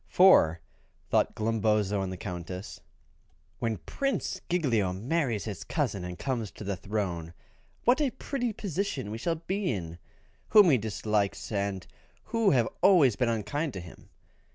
For, thought Glumboso and the Countess, "when Prince Giglio marries his cousin and comes to the throne, what a pretty position we will be in, whom he dislikes, and who have always been unkind to him.